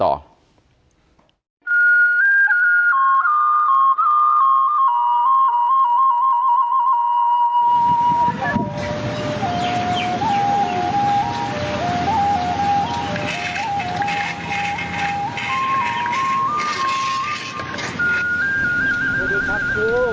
โอ้โอ้โอ้